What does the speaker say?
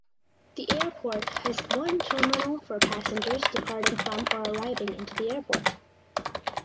The airport has one terminal for passengers departing from or arriving into the airport.